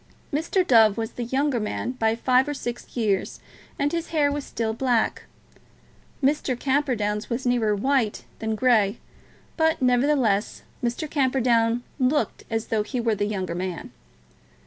Mr. Dove was the younger man by five or six years, and his hair was still black. Mr. Camperdown's was nearer white than grey; but, nevertheless, Mr. Camperdown looked as though he were the younger man.